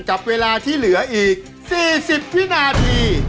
กับเวลาที่เหลืออีก๔๐วินาที